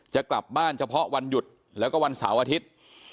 จะกลับบ้านเฉพาะวันหยุดแล้วก็วันเสาร์อาทิตย์